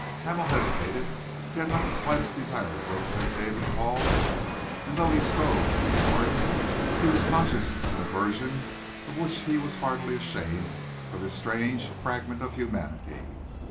Hamel hesitated. He had not the slightest desire to go to St. David's Hall, and though he strove to ignore it, he was conscious of an aversion of which he was heartily ashamed for this strange fragment of humanity.